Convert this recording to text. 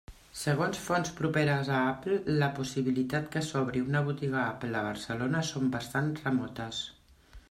Segons fonts properes a Apple la possibilitat que s'obri una botiga Apple a Barcelona són bastant remotes.